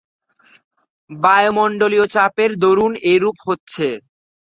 বায়ুমণ্ডলীয় চাপের দরুন এরূপ হচ্ছে।